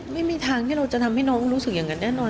ไม่มีทางที่เราจะทำให้น้องรู้สึกอย่างนั้นแน่นอน